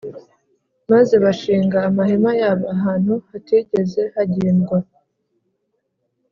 maze bashinga amahema yabo ahantu hatigeze hagendwa;